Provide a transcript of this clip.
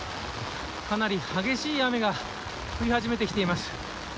かなり激しい雨が降り始めてきています。